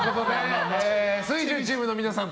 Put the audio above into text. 水１０チームの皆さん